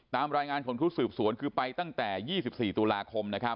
ตามรายงานของชุดสืบสวนคือไปตั้งแต่๒๔ตุลาคม